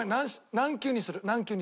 軟球にする。